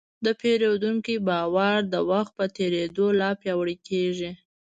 د پیرودونکي باور د وخت په تېرېدو لا پیاوړی کېږي.